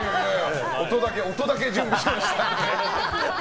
音だけ準備しました。